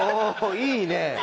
いいね！